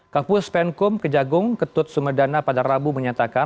kapus penkum kejagung ketut sumedana pada rabu menyatakan